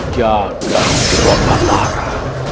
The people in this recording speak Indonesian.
jangan berubah lara